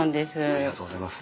ありがとうございます。